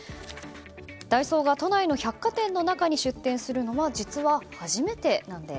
ダイソーが都内の百貨店の中に出店するのは実は初めてなんです。